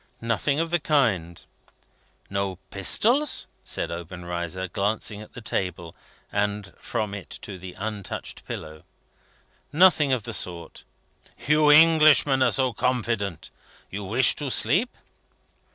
"Nothing of the kind." "No pistols?" said Obenreizer, glancing at the table, and from it to the untouched pillow. "Nothing of the sort." "You Englishmen are so confident! You wish to sleep?"